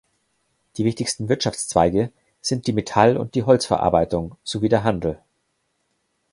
Die wichtigsten Wirtschaftszweige sind die Metall- und die Holzverarbeitung sowie der Handel.